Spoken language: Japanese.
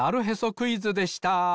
クイズ」でした。